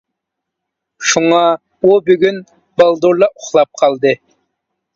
شۇڭا ئۇ بۈگۈن بالدۇرلا ئۇخلاپ قالدى.